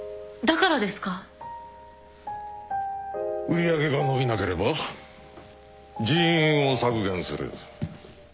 売り上げが伸びなければ人員を削減する。